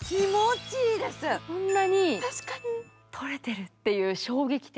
こんなに取れてるって衝撃的。